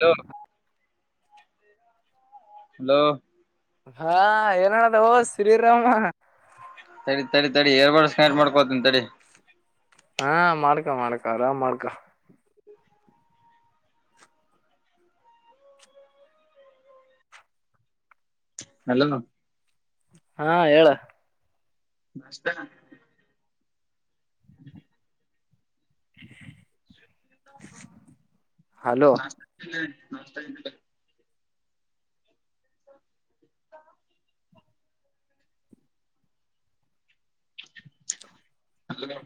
Low hello. ಹಾ ಏನ್ ನಡೆದದೋ ಶ್ರೀರಾಮ. ತಡಿ ತಡಿ ತಡಿ ಎರ್ ಬರ್ಡ್ಸ್ ಕನೆಕ್ಟ್ ಮಾಡ್ಕೋತನ ತಡಿ. ಹಾ ಮಾಡ್ಕ ಮಾಡ್ಕ ಆರಾಮ್ ಮಾಡ್ಕ. [unintelligible] ಹಾ ಹೇಳ. ನಾಷ್ಟ. [inaudible] ನಾ [unintelligible] ನಾಷ್ಟ ಹಲೋ ಅಲೋ [inaudible] [inaudible]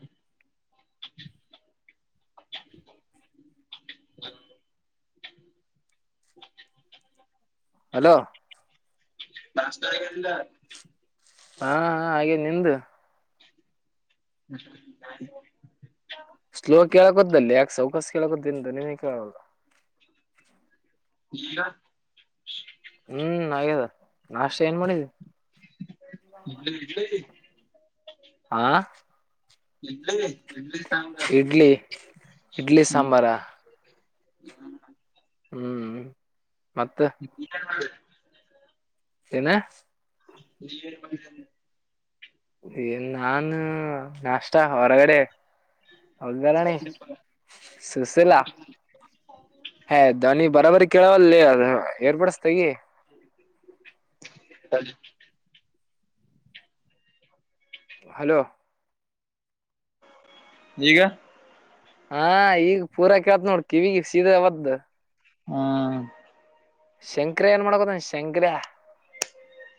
ಹಲೋ ನಾಷ್ಟ ಆಗದಿಲ್ಲ ಹಾ ಹಾ ಆಗ್ಯದ ನಿಂದ [inaudible] ಸ್ಲೋ ಕೇಳಕುತದ್ದಲ್ಲೆ ಯಾಕ ಸೌಕಸ ಕೇಳಕತದ್ದ ನಿಂದ ಧ್ವನಿನೆ ಕೇಳ ಒಲ್ಲದ ಈಗ ಹ್ಮ್ ಹಾಗ್ಯದ ನಾಷ್ಟ ಏನ್ ಮಾಡಿದಿ [inaudible] ಹಾ ಇಡ್ಲಿ ಇಡ್ಲಿ ಇಡ್ಲಿ ಇಡ್ಲಿ ಸಾಂಬಾರಾ ಹ್ಮ್ ಹ್ಮ್ ಮತ್ತ ಏನು ಮಾಡವಲೆ ಏನ [unintelligible] ಏನ್ ನಾನ ನಾಷ್ಟ ಹೊರಗಡೆ ಒಗ್ಗರಣಿ ಸುಶಲಾ ಹೇ ಧ್ವನಿ ಬರಾಬರಿ ಕೇಳವಲ್ಲದಲೆ ಅದು ಏರ್ಪಡಸತಗಿ ತಡಿ ಹಲೋ ಈಗ ಹಾ ಈಗ ಪೂರಾ ಕೇಳತ್ ನೋಡ್ ಕಿವಿಗ ಸೀದ ಒತದ ಹ್ಮ ಶೆಂಕರೆ ಏನ್ ಮಾಡಕುತನ ಶೆಂಕರೆ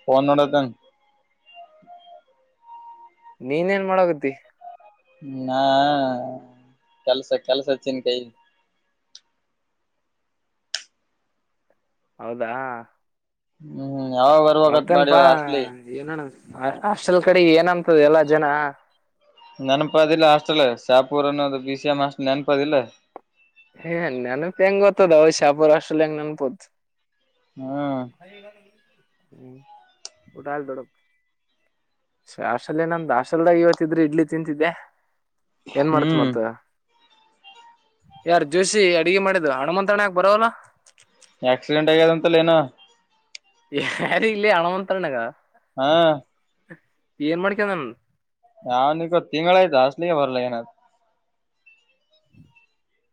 ಫೋನ್ ನೋಡತನ ನೀನ್ ಏನ್ ಮಾಡಗತಿ ನಾ ಕೆಲ್ಸ ಕೆಲಸ ಚಿಂತೈತಿ ಹೌದಾ ಹ್ಮ್ ಯಾವಗ ಬರಬೇಕಂತ ಮಾಡಿದ ಮತ್ತೇನ್ಪಾ ಹಾಸ್ಟೆಲಿಗ ಏನಣ ಹಾಸ್ಟೆಲ್ ಕಡಿಗ ಏನಂತದ ಎಲ್ಲ ಜನ ನೆನಪದಿಲ್ಲ ಹಾಸ್ಟೆಲ್ ಶಾಪುರ್ ಅನ್ನೋದು ಬಿ ಸಿ ಎಂ ಹಾಸ್ಟೆಲ್ ನೆನಪದಿಲ್ಲ ಹಾ ನೆನಪ ಎಂಗೂತದೊ ಶಾಪುರ ಹಾಸ್ಟಲ್ ಎಂಗ ನೆನಪುತದ ಹ್ಮ್ ಹ್ಮ್ ಊಟ ಆಲ್ಲಿ ದೊಡಪ್ಪ ಹಾಸ್ಟೆಲ್ ನಮ್ದು ಹಾಸಲ್ದಾಗ ಇವತ್ತ ಇದ್ರೆ ಇಡ್ಲಿ ತಿಂತಿದ್ದೆ ಏನ್ ಮಾಡ್ತಿ ಹ್ಮ್ ಮತ್ತ ಯಾರು ಜೋಶಿ ಅಡಗಿ ಮಾಡಿದ್ ಹನುಮಂತಣ ಯಾಕ ಬರವಲ್ಲ ಆಕ್ಸಿಡೆಂಟ್ ಆಗೆದಂತಲೇನ ಯಾರ ಇಲ್ಲಿ ಹಣಮಂತಣ್ಣಗ ಹಾ ಏನ್ ಮಾಡ್ಕಂದನ್ ಯಾವನಿಗ್ ಗೊತ್ತ ತಿಂಗಳಯತ ಹಾಸ್ಟೆಲಿಗೆ ಬರಲಾಗನ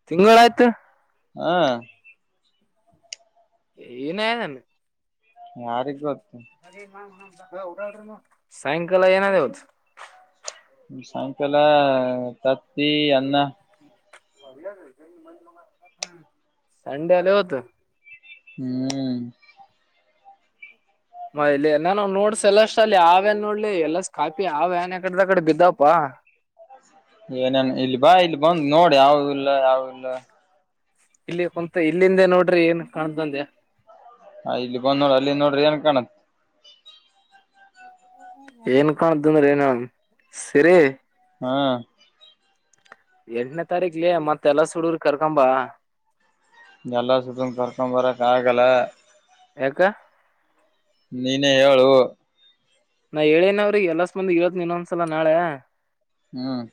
ತಿಂಗಳ ಆಯ್ತ ಹಾ ಏನಾಗದೇನ ಯಾರಿಗ್ ಗೊತ್ತು ಸಾಯಂಕಾಲ ಏನಿದೆ ಇವತ್ತು ಸಾಯಂಕಾಲ ತತ್ತಿ ಅನ್ನ ಸಂಡೇ ಅಲ್ಲ ಇವತ್ತು ಹ್ಮ್ ಮ ಇಲಿ ನಾನ ನೋಡ್ಸ್ ಎಲ್ಲ ಅಷ್ಟ ಅಲ್ಲಿ ಅವ್ಯನ್ ನೋಡ್ಲಿ ಎಲ್ಲಾ ಕಾಪಿ ಅವ್ಯಾನ್ ಯಕಡ ಕಡೆ ಬಿದ್ದಪ್ಪಾ ಹ ಏನೇನ್ ಇಲ್ಲಿ ಬಾ ಇಲ್ಲಿ ಬಂದ್ ನೋಡಿ ಯಾವ್ದ ಇಲ್ಲ ಯಾವವುಲ್ಲ ಇಲ್ಲಿ ಕುಂತ ಇಲ್ಲಿಂದೆ ನೋಡ್ರಿ ಏನ್ ಕಾಣ್ದಂದೆ ಹ ಇಲ್ಲಿ ಬಂದ ನೋಡ್ರ ಅಲ್ಲಿ ನೋಡ್ರಿ ಏನ್ ಕಾಣತ್ ಏನ್ ಕಾಣ್ದನ್್ರನ ಸಿರಿ ಹಾ ಎಂಟನೇ ತಾರೀಕ್ಲ ಮತ್ತ ಎಲ್ಲ ಹುಡುಗರ್ ಕರ್ಕಂಬ ಎಲ್ಲ ಸುತ್ತ್ ಕರ್ಕೊ್ ಬರಕ್ಕೆ ಆಗಲ್ಲ ಯಕ್ಕ ನೀನೇ ಹೇಳು ನಾ ಹೇಳೇನವ್ರಿ ಎಲ್ಲ ಸ್ ಬಂದ ಇತ್ ನೀನ್ೊಂದ್ಸಲ ನಾಳೆ ಹ್ಮ್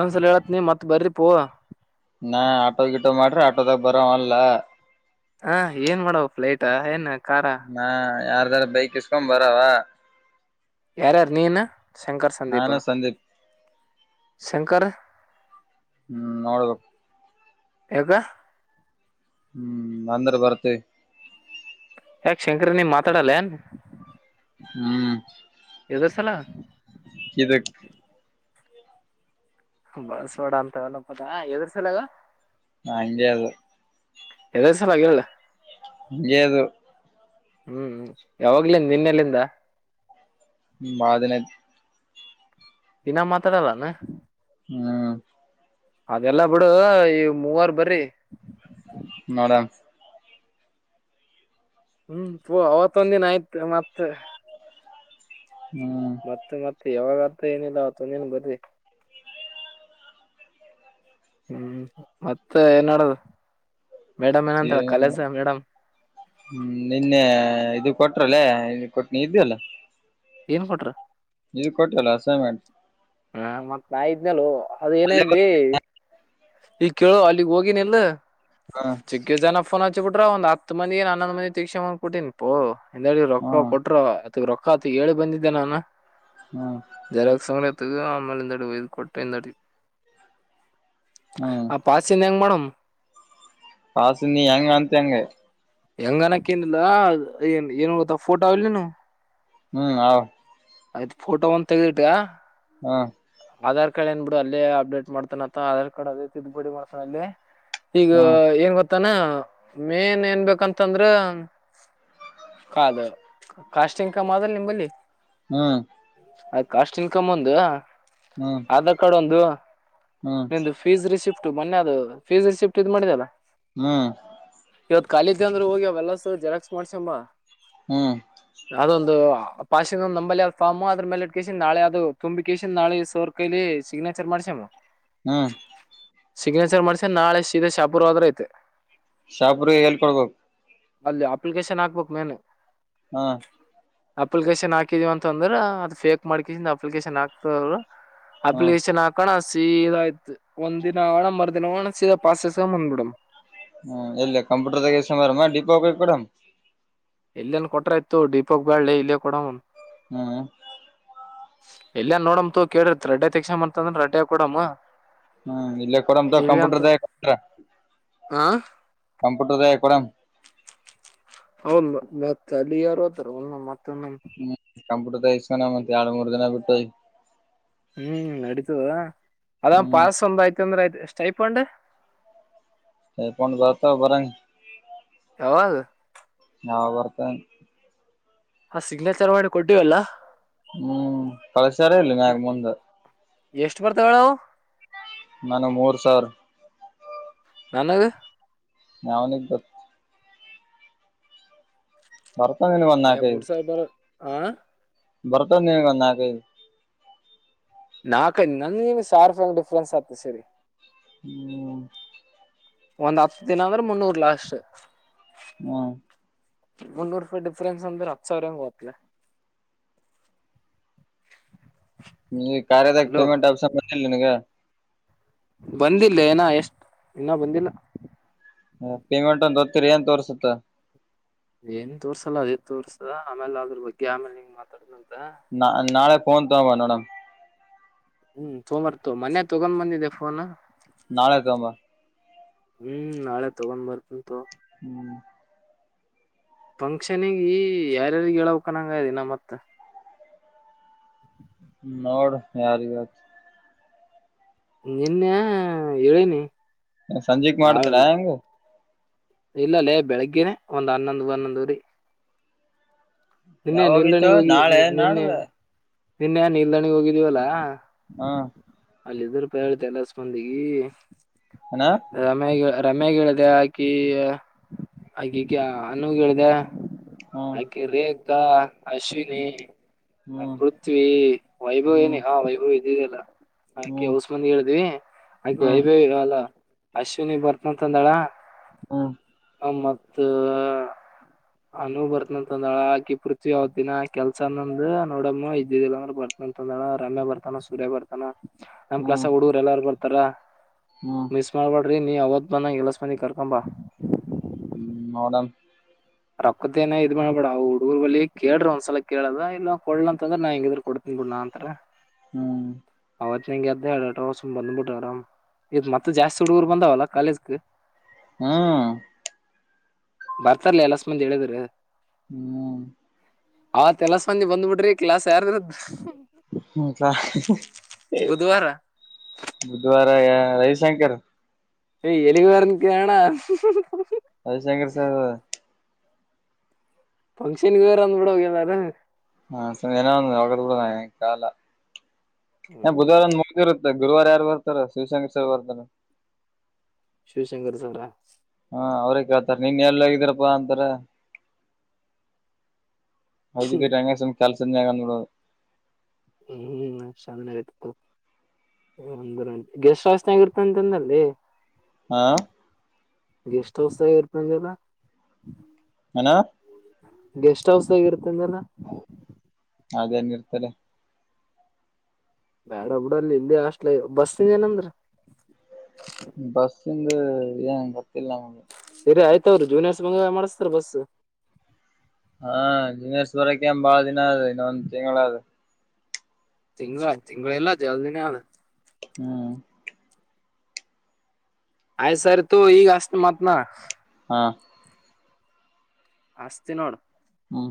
ಇೊಂದ್ಸಲ ಹೇಳತ್ ನೀ ಮತ್ ಬರ್ರಿ ಪೂ ಲ ಹಾ ಏನ್ ಮಾಡವ ಫ್ಲೈಟ್ ಏನ್ ಕಾರ ಹ ಯಾರ್ದಾರ ಬೈಕ್ ಇಸ್ಕೊಂಡ್ ಬರಾವ ಯಾರಾರ ನೀನು ಶಂಕರ್ ಸಂದೀಪ ನಾನು ಸಂದೀಪ್ ಶಂಕರ್ ಹ್ಮ್ ನೋಡ್ಬೇಕು ಯಾಕ ಹ್ಮ್ ಅಂದ್ರೆ ಬರ್ತ ಯಾಕ್ ಶಂಕ್ರನೇನೋ ಮಾತಾಡಲ್ವೇನೋ ಹ್ಮ್ ಯ್ದ ಸಲ ಇದು ಬಸವಾಡ ಅಂತನಪ್ಪದಾ ಎದ್ರ ಸಲಗ ನ ಅಜ ಅದು ಎದ್ರ ಸಲ್ವಾಗಿ ಏಳು ಏನಿಲ್ಲ ಹ್ಮ್ ಯಾವಾಗ್ಲಿಂದ ನಿನ್ನೆಲ್ಲಿಂದ ಬಾಳ ದಿನ ಆಯ್ತಿ ದಿನ ಮಾತಾಡಲೇನೋ ಹ್ಮ್ ಅದೆಲ್ಲಾ ಬಿಡು ಈ ಮೂವರ್ ಬರಿ ನೋಡ ಹ್ಮ್ ಪೂ ಅವತ್ತೊಂದ ದಿನ ಆಯ್ತ್ ಮತ್ತೆ ಹ್ಮ್ ಮತ್ತೆ ಮತ್ತೆ ಯಾವಾಗತ್ರ ಏನಿಲ್ಲ ಅವತ್ತುಂದೇನ್ ಬರ್ರಿ ಹ್ಮ್ ಮತ್ತೆ ಏನ್ಡದು ಹ್ಮ ನಿನ್ನೆ ಇದು ಕೊಟ್ರಲ್ಲೇ ನ ಕೊಟ್ನಿ ಇದ್ದ ಅಲ್ಲ ಏನ್ ಕೊಟ್ರ ನೀ ಕೊಟ್ಟಲ್ಲ ಅಸೈನ್ಮೆಂಟ್ ಹ ಮತ್ ನಾ ಇದ್ನಲ್ಲು ಅದ ಅಲ್ಲೇ ಏನಲ್ಲಿ ಈ ಕೇಳು ಅಲ್ಲಿಗ್ ಹೋಗಿನ ಇಲ್ಲ ಬರ್ ಚಿಗ್ಗ ಜನ ಫೋನ್ ಹಚ್ಚ್ ಬಿಟ್ರ ಒಂದು ಹತ್ತು ಮಂದಿ ಹನ್ನೊಂದ ಮಂದಿ ತೀಕ್ಷಣಂದ್ ಕೊಟ್ಟಿನ್ ಪೋ ಹಿಂದಿ ರೊಕ್ಕ ಹ್ಮ್ ಕೊಟ್ರ ರೊಕ್ಕ ಆತ ಹೇಳಿ ಬಂದಿದ್ದೆ ನಾನು ಹ್ಮ್ ಜೆರಾಕ್ಸ್ ಆಮಲೆ ಎಂದಡಿ ಕೊಟ್ಟ ಹ್ಮ್ ಆ ಪಾಸಿಂದ ಹೆಂಗ ಮಾಡಮ್ ಹ್ಮ್ ಪಾಸಿಂದು ನೀ ಹೆಂಗ ಅಂತಿಯ ಹಂಗೆ ಹೆಂಗನಕ್ಕ ಏನಿಲ್ಲ ಏನ್ ಏನುತ ಫೋಟೋ ಆಲಿನು ಹ್ಮ್ ಆ ಆಯ್ತ್ ಫೋಟೋ ಒಂದ ತೆಗೆದುಇಟ್ಟಕ ಹ್ಮ ಆಧಾರ್ ಕಾರ್ಡ್ ಏನ್ ಬಿಡು ಅಲ್ಲೇ ಅಪ್ಡೇಟ್ ಮಾಡ್ತಾನತ್ತ ಆಧಾರ್ ಅದೇ ತಿದ್ದ್ಬಿಡಿ ಮಾಡ್ಸನ ಅಲ್ಲಿ ಈಗ ಏನ್ ಗೊತ್ತಾನ ಮೇನ್ ಏನ್ಬೇಕಂತಂದ್ರ ಕದು ಕಾಸ್ಟ ಇಂಕಮ್ ಅದ ನಿಂಬಲ್ಲಿ ಹ್ಮ್ ಅ ಕಾಸ್ಟ್ ಇನ್ಕಮ್ ಒಂದು ಹ್ಮ್ ಹ್ಮ್ ಆಧಾರ್ ಕಾರ್ಡ್ ಒಂದು ಹ್ಮ್ ನಿಮ್ದ ಫೀಸ್ ರಿಸಿಫ್ಟ್ ಮೊನ್ನೆ ಅದು ಫೀಸ್ ರಿಸಿಫ್ಟ್ ಇದು ಮಾಡಿದಲ್ಲ ಹ್ಮ್ ಇವತ್ ಖಾಲಿಇದ್ದೆ ಅಂದ್ರರು ಹೋಗಿ ಅವೆಲ್ಲಸ ಜೆರಾಕ್ಸ್ ಮಾಡ್ಸಮ್ಮ ಹ್ಮ್ ಅದೊಂದು ಪಾಸಿದು ನಮ್ಮಲ್ಲ ಫಾರ್ಮು ಅದ್ರ ಮೇಲೆ ಇಟ್ಕಸ ನಾಳೆ ಅದು ತುಂಬಿಕಿಸ್ಕಡ್ ಸರ್ ಕೈಲಿ ಸಿಗ್ನೇಚರ್ ಮಾಡ್ಸ್ಯಮ್ ಹ್ಮ ಸಿಗ್ನೇಚರ್ ಮಾಡ್ಸ ನಾಳೆ ಸೀದಾ ಶಾಪುರ್ ಹೋದ್ರ ಐತೆ ಶಾಪುರ್ದಾಗ ಎಲ್ಲಿ ಕೊಡಬೇಕು ಅಲ್ಲಿ ಅಪ್ಲಿಕೇಶನ್ ಹಾಕಬೇಕು ಮೇಲೆ ಹಾ ಅಪ್ಲಿಕೇಶನ್ ಹಾಕಿದೀವ ಅಂತಂದ್ರ ಅದ್ ಫೇಕ್ ಮಾಡ್ಕಸ ಅಪ್ಲಿಕೇಶನ್ ಹಾಕ್ತರು ಹ್ಮ್ ಅಪ್ಲಿಕೇಶನ್ ಹಾಕಣ್ಣ ಸೀದಾ ಆಯ್ತು ಒಂದ್ ದಿನ ಅಣ್ಣ ಮರ್ ದಿನ ಹೋಗೋಣ ಸೀದಾ ಪಾಸಸ ಬಂದ್ ಬಿಡಮ್ ಹ್ಮ ಎಲ್ಲ ಕಂಪ್ಯೂಟರಾದ ಈಸ್ಕೊಂಡು ಬಾರಮ್ಮ ಡಿಪೋಗೆ ಹೋಗಿ ಬಾರಾಮ್ ಎಲ್ಲೇನ್ ಕೊಟ್ರೆ ಆಯ್ತು ಡಿಪೋಗೆ ಬ್ಯಾಡ್ಲೇ ಇಲ್ಲೇ ಕೊಡಮ್ ಹ್ಮ್ ಎಲ್ಲಾ ನೋಡಮಂತ ಕೇಳಿತ್ ರಡ್ಡ ತಕ್ಷ ಮಾಡಂತಂದ್ರ ರೆಡ್ಡ್ಯ ಕೊಡಮ್ಮ ಹ್ಮ್ ಇಲ್ಲ ಕೊಡಮ್ ಕಂಪ್ಯೂಟರ್ದಾಗ ಕೊಟ್ರ ಹಾ ಕಂಪ್ಯೂಟರ್ದ ಕೊಡಮ್ ಹೌದ್ ಮತ್ ಅಲ್ಲಿ ಯಾರ ಹೋತರ ಮತೊಮ್ಮೆ ಕಂಪುಟರ್ದಾಗ ಈಸ್ಕೊಂಡು ಒಂದು ಎರಡ್ ಮೂರ್ ದಿನ ಬಿಟ್ಟು ಹ್ಮ್ ನಡೀತದ ಅದ ಹ್ಮ್ ಪಾಸ್ ಒಂದ ಆಯ್ತ ಅಂದ್ರೆ ಆಯ್ತ ಸ್ಟಿಪೆಂಡ್ ಸ್ಟಿಪೆಂಡ್ ಬರ್ತಾವ ಬರಗ ಯಾವಾಗ ಹಾ ಬರ್ತೇನೆ ಹಾ ಸಿಗ್ನೇಚರ್ ಮಾಡಿ ಕೊಟ್ಟಿವಲ್ಲಾ ಹ್ಮ್ ಕಳಿಸರ್ ಇಲ್ಲಿ ನಾನ್ ಮುಂದೆ ಎಷ್ಟು ಬರ್ತಾವಳವು ನನಿಗೆ ಮೂರ್ ಸಾವಿರ ನನಗೆ ಯಾವನಿಗೆ ಗೊತ್ತು ಬರ್ತಾವ ನಿನಗೆ ಒಂದು ಏ ನಾಕು ಮೂರ್ ಐದು ಸಾವಿರ ಬರ ಆ ಬರ್ತವ್ ನಿನಗೆ ಒಂದು ನಾಕು ಐದು ನಾಕೈ ನನ್ಗೆನೆ ಸಾವ್ರಸಾವ್ರ ಡಿಫ್ರೆನ್ಸ್ ಆಗ್ತದ್ ಸರಿ ಹ್ಮು ಒಂದ್ ಹತ್ತು ದಿನ ಅಂದ್ರೆ ಮುನ್ನೂರ್ ಲಾಸ್ಟ್ ಹ್ಮು ಮುನ್ನೂರು ರೂಪಾಯಿ ಡಿಫ್ರೆನ್ಸ್ ಅಂದ್ರೆ ಹತ್ತು ಸಾವ್ರ ಒಗುತ್ಲೆ ನೀ ಕಾರ್ಯದಗ್ ಹಲೋ ಪೇಮೆಂಟ್ ಆದ್ರೆ ಸಂಬಂದಿಲ್ ನಿನಿಗೆ ಬಂದಿಲ್ಲ ಏನ ಎಷ್ಟ್ ಇನ್ನು ಬಂದಿಲ್ಲ ಪೇಮೆಂಟ್ ಒಂದ ಹೊತ್ತಿರಿ ಏನ್ ತೋರ್ಸುತ್ತೆ ಏನ್ ತೋರ್ಸಲ್ಲ ಅದೇ ತೋರ್ಸತದ ಆಮೇಲೆ ಅದ್ರ ಬಗ್ಗೆ ಆಮೇಲೆ ನಿಂಗ್ ಮಾತಾಡ್ [unintelligible] ನ ನಾಳೆ ಫೋನ್ ತಾಬ ನೋಡಣ ಹ್ಮ್ ತೋಮರ್ತ್ ತೊ ಮೊನ್ನೆ ತಗೊಂಡ್ ಬಂದಿದ್ದೆ ಫೋನ ನಾಳೆ ತಾಬ ಹ್ಮೂ ನಾಳೆ ತಗೊಂಡ್ ಬರ್ತಿನ್ ತೊ ಹ್ಮು ಫಂಕ್ಷನಿಗೀ ಯಾರ್ಯಾರಿಗೆ ಹೇಳವಕನಂಗಾಯತ್ ಮತ್ತ ನೋಡು ಯಾರಿಗೆ ಹೇಳ್ತಿ ನೆನ್ನೇ ಹೇಳಿನಿ ಸಂಜಿಕ್ ಮಾಡ್ತಿರಾ ಹೆಂಗೆ ಇಲ್ಲಲ್ಲೇ ಬೆಳಗ್ಗೆೇನೆ ಒಂದ್ ಹನ್ನೊಂದ್ ಹನ್ನೊಂದುವರಿ ನಿನ್ನೆ ಯಾವಾಗೈತ ನಿಲ್ದಣಿಹೋಗಿ ನಾಳೆ ನಿ ನಿನ್ನೆ ನಾಡ್ದ ನಿನ್ನೆ ನಿಲ್ದಣಿ ಹೋಗಿದ್ದಿವಲ್ಲಾ ಹಾ ಅಲ್ಲಿ ಇದ್ರುಪ ಜನಾಸ್ ಮಂದಿ ಏನ ಐ ರಮ್ಯಗೆ ಹೇಳ್ ರಮ್ಮಗೇಳ್ದೆ ಆಕಿ ಆಗಿಕಿ ಅನ್ನುಗೇಳ್ದೆ ಹ್ಮ್ ಆಕಿ ರೇಕ್ಕಾ ಅಶ್ವಿನಿ ಹ್ಮ್ ಆಪೃುಥ್ವಿ ವೈಭವಿನಿ ಹಾ ಹ್ಮ್ ವೈಭವ್ ಇದಿದಿಯಲ್ಲ ಆಕಿ ಓಸ್ ಮಂದಿ ಹೇಳ್ದಿ ಆಕಿ ಹ್ಮ್ ಹ್ಮ್ ವೈಭವಿಗ ಅಲ್ಲ ಅಶ್ವಿನಿ ಬರ್ತನಂತ್ ಅಂದಳ ಹ್ಮು ಹಮತ್ತೂ ಅನು ಬರ್ತನಂತಂದಾಳ ಆಕಿ ಪೃಥ್ವಿ ಅವತ್ ದಿನಾ ಕೆಲ್ಸ ನಂದು ನೋಡಮ್ಮ ಇದ್ದಿದಿಲ್ಲ ಅಂದ್ರೆ ಬರ್ತನ ಅಂತಂದ್ದಳ ರಮ್ಯಾ ಬರ್ತನ ಸೂರ್ಯ ಬರ್ತನ ನಮ್ ಹ್ಮ್ ಕ್ಲಾಸ್ಸಗೆ ಹುಡುಗರು ಎಲ್ಲಾರಿಗು ಒಂತರ ಹ್ಮ್ ಮಿಸ್ ಮಾಡಬಾರ್ದ್ ರೀ ನೀ ಅವತ್ ಬಂದಂಗೆ ಎಲಸ ಮಂದಿ ಕರ್ಕೊಂಡ್ಬಾ ಹ್ಮು ನೋಡಣ ರೊಕ್ಕೊದೇನ್ ಇದ್ ಮಾಡ್ಬೇಡ ಅವು ಹುಡುಗರ್ ಬಲ್ಲಿ ಕೇಳ್ರು ಒಂದ್ಸಲ ಕೇಳೋದ ಇಲ್ಲ ಕೊಡ್ಲಿಲ್ಲ ಅಂದ್ರ ನಾ ಹೆಂಗಿದ್ರು ಕೊಡ್ತಿನಿ ಗುಣ್ಂತರ ಹ್ಮು ಅವತ್ ನಿಂಗೆದ್ದೆ ನೆಟ್ವಗ್ ಸುಮ್ ಬಂದ್ಬಿಟಾಣೌ ಇಗ ಮತ್ತೆ ಜಾಸ್ತಿ ಹುಡುಗರು ಬಂದಾವಲ್ಲಾ ಕಾಲೇಜ್ಗಿ ಹ್ಮು ಬರ್ತಾರೆಲ್ರ ಎಲ್ಲಾ ಸ್ ಮಂದಿ ಹೇಳಿದ್ರೆ ಹ್ಮು ಅವತೆಲ್ಲಸ್ ಮಂದಿ ಬಂದ್ಬಿಡ್ರಿ ಕ್ಲಾಸ್ ಯಾರರಿದ್ ಹ್ಮು [unintelligible] ಬುಧವಾರ ಬುಧವ ಎರವಿಶಂಕರ್ ಏಯ್ ಎಲಿವರ್ನಕೆಳಣ ರವಿಶಂಕರ್ ಸರ್ ಫಂಕ್ಷನ್ ವೇರ್ ಅಂದ್ ಬಿಡೊಗೆದ್ ಬಿಡು ಅದು ಹ ಸರಿ ಏನೊಒಂದ್ ನಡ್ದದ ಕಾಲ ಹ್ಮಂ ಹ್ಮ್ ಬುಧವಾರ ಒಂದ್ ಮುಗ್ ಮತ್ ಗುರುವಾರ ಯಾರು ಬರ್ತಾರೆ ಶಿವಶಂಕರ ಸರ್ ಬರ್ತಾರೆ ಶಿವಶಂಕರ್ ಸರ್ರ ಹಾ ಅವ್ರೇ ಕೇಳ್ತಾರ ನೀನ್ ಎಲ್ಲಗಿದ್ದರಪ್ಪಾ ಅಂತಾರ [unintelligible] ಸುಮ್ನೆ ಕೆಲ್ಸದ್ಮೇಲೆ ಅಂದ್ಬಿಡೋದು ಹ್ಮ್ ಹ್ಮ್ [unintelligible] ಗೆಸ್ಟ್ ಹಸ್ ಆಗಿರ್ತ ಅಂತಂದಲ್ಲಿ ಹಾ ಗೆಸ್ಟ್ ಹೌಸ್ ಆಗ ಇರ್ತಂಗಲ್ಲ ಏನಾ ಗೆಸ್ಟ್ ಹೌಸ್ ಆದಾಗ ಇರ್ತಿದಲ್ಲ ಅದೇ ನೀರ್ತಲ್ಲ ಬೇಡ ಬಿಡಲ್ಲಿ ಇಲ್ಲೇ ಹಾಸ್ಟೇಲ್ ಬಸ್ಸಿಂದ ಏನಂದ್ರ ಬಸ್ಸಿಂದ ಏನ್ ಗೊತ್ತಿಲ್ಲ ನಂಗೆ ಸರಿ ಆಯ್ತ ಅವರು ಜೂನಿಯರ್ಸ್ ಬಂಗ ಮಾಡಿಸತಾರ ಬಸ್ ಹಾ ಜೂನಿಯರ್ಸ್ ಬರಕ್ಕೆ ಬಾಳ ದಿನ ಅದ ಇನ್ನೊಂದ್ ತಿಂಗಳ ಅದು ತಿಂಗಳ ತಿಂಗಳು ಇಲ್ಲ ಜಲ್ದಿನೇ ಆದ ಹ್ಮ್ ಆಯ್ತು ಸರಿ ತಗೋ ಈಗ ಹಚ್ಚೇತೀನಿ ಮತ್ತ್ ನಾ ಹಾ ಹಚ್ಚೇತೀನಿ ನೋಡು ಹ್ಮ್